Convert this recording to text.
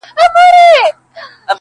دیدن په لک روپۍ ارزان دی-